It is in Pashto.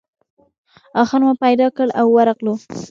آخر مو پیدا کړ او ورغلو.